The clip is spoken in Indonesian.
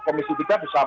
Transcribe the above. komisi tiga bisa mengawal